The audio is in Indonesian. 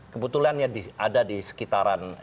kebetulan ya ada di sekitaran